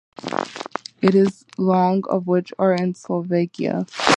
It is long, of which are in Slovakia.